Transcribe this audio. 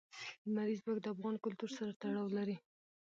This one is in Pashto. لمریز ځواک د افغان کلتور سره تړاو لري.